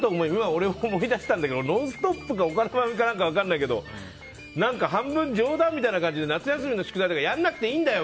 俺も思い出したけど「ノンストップ！」か他の番組か分からないけど半分、冗談みたいな感じで夏休みの宿題とかやんなくていいんだよ！